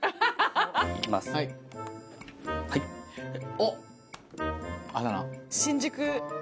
おっあだ名。